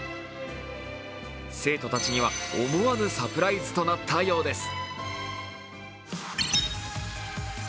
生徒たちには思わぬサプライズとなったようです。